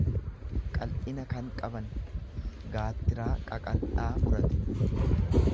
qal'ina kan qaban; Gaattiraa qaqal'aa murate.